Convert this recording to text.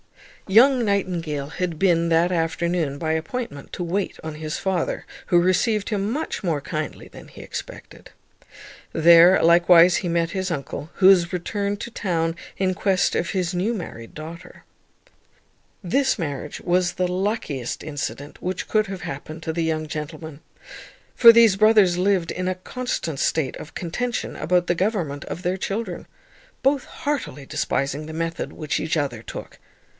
Young Nightingale had been that afternoon, by appointment, to wait on his father, who received him much more kindly than he expected. There likewise he met his uncle, who was returned to town in quest of his new married daughter. This marriage was the luckiest incident which could have happened to the young gentleman; for these brothers lived in a constant state of contention about the government of their children, both heartily despising the method which each other took.